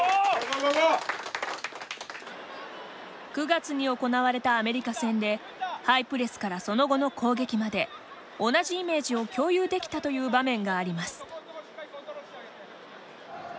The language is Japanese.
９月に行われたアメリカ戦でハイプレスからその後の攻撃まで同じイメージを共有できたという場面があります。